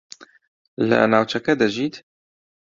لە ناوچەکە دەژیت؟